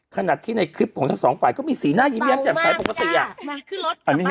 ขนาดที่ในคลิปของทั้งสองฝ่ายก็มีสีหน้ายมจากเฉยปกติอะอันนี้